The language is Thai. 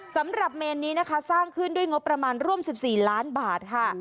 สำหรับเมนนี้นะคะสร้างขึ้นด้วยงบประมาณร่วม๑๔ล้านบาทค่ะ